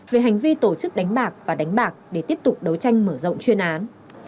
về hành vi tổ chức đánh bạc và đánh bạc để tiếp tục đấu tranh mở rộng chuyên án